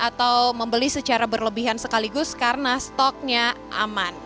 atau membeli secara berlebihan sekaligus karena stoknya aman